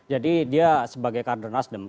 jadi dia sebagai kader nasdem